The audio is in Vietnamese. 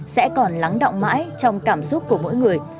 sẽ còn lắng động mãi trong cảm xúc của mỗi người